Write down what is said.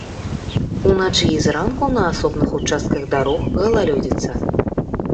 Уначы і зранку на асобных участках дарог галалёдзіца.